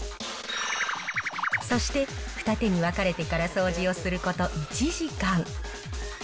そして、二手に分かれてから掃除をすること１時間。